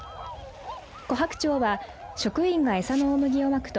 コハクチョウは職員がエサの大麦をまくと